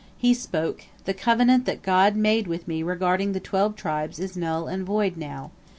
He spoke: "The covenant that God made with me regarding the twelve tribes is null and void now.